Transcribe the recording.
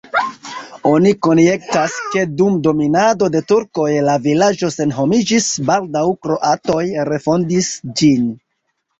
Oni konjektas, ke dum dominado de turkoj la vilaĝo senhomiĝis, baldaŭ kroatoj refondis ĝin.